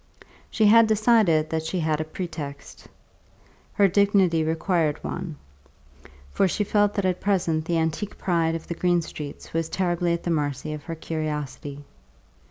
She had decided that she had a pretext; her dignity required one, for she felt that at present the antique pride of the Greenstreets was terribly at the mercy of her curiosity.